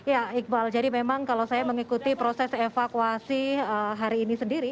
ya iqbal jadi memang kalau saya mengikuti proses evakuasi hari ini sendiri